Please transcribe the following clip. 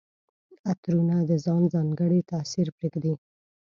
عطرونه د ځان ځانګړی تاثر پرېږدي.